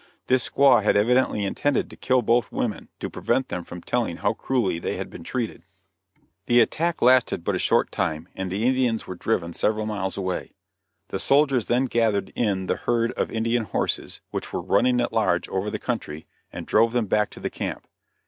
This squaw had evidently intended to kill both women to prevent them from telling how cruelly they had been treated. [Illustration: INDIAN VILLAGE.] The attack lasted but a short time, and the Indians were driven several miles away. The soldiers then gathered in the herd of Indian horses, which were running at large over the country and drove them back to the camp.